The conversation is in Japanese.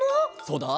そうだ。